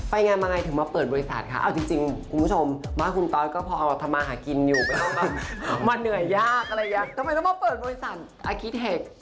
งานมาไงถึงมาเปิดบริษัทคะเอาจริงคุณผู้ชมบ้านคุณตอสก็พอทำมาหากินอยู่มาเหนื่อยยากอะไรยากทำไมต้องมาเปิดบริษัทอาคิเทค